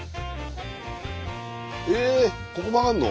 えここ曲がんの？